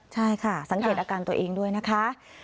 ใช่ค่ะสังเกตอาการตัวเองด้วยนะคะ